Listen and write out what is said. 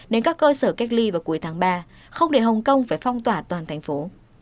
đến các cơ sở cách ly vào cuối tháng ba không để hồng kông phải phong tỏa toàn thành phố